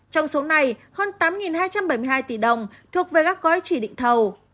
trong số này hơn tám hai trăm bảy mươi hai tỷ đồng thuộc về các gói chỉ định thầu